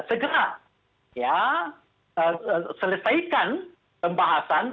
segera selesaikan pembahasan